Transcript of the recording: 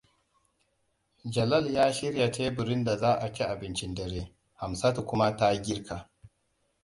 Jalal ya shirya teburin da za'a ci abincin dare, Hamsatu kuma ta girka.